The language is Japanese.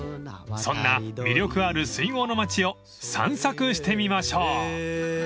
［そんな魅力ある水郷の町を散策してみましょう］